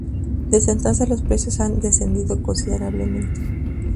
Desde entonces los precios han descendido considerablemente.